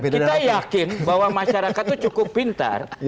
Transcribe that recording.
kita yakin bahwa masyarakat itu cukup pintar